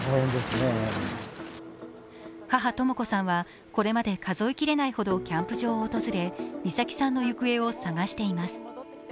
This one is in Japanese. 母・とも子さんは、これまで数え切れないほどキャンプ場を訪れ美咲さんの行方を捜しています。